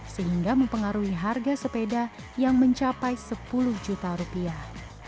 sehingga mempengaruhi harga sepeda yang mencapai sepuluh juta rupiah